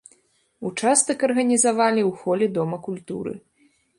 Участак арганізавалі ў холе дома культуры.